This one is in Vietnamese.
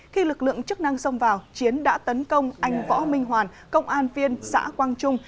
khi lực lượng chức năng xông vào chiến đã tấn công anh võ minh hoàn công an viên xã quang trung